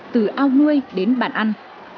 từ ao nuôi đến bản ăn